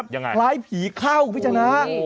ยังไงน่ะยังไงร้ายผีเข้าพี่ชนา